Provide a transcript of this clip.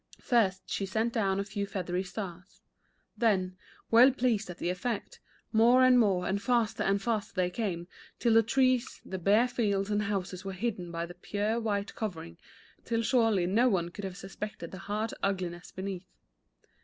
First she sent down a few feathery stars. Then, well pleased at the effect, more and more, and faster and faster they came, till the trees, the bare fields, and houses were hidden by the pure, white covering, till surely no one could have suspected the hard ugliness beneath.